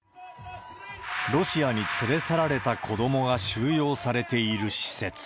ロシアに連れ去られた子どもが収容されている施設。